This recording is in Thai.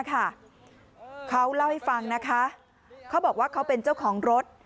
เขาเล่าให้ฟังนะคะเขาบอกว่าเขาเป็นเจ้าของรถ